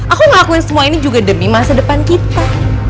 aku ngelakuin semua ini juga demi masa depan kita